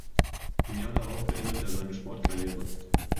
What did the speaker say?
Im Jahr darauf beendete er seine Sportkarriere.